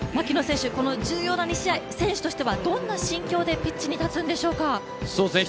重要な２試合、選手としてはどんな心境でピッチに立つのでしょうか？